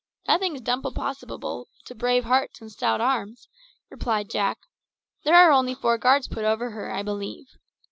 "Nothing's `dumpossobable' to brave hearts and stout arms," replied Jack. "There are only four guards put over her, I believe.